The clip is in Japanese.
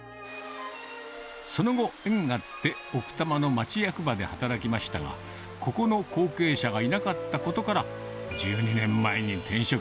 その後、縁があって奥多摩の町役場で働きましたが、ここの後継者がいなかったことから、１２年前に転職。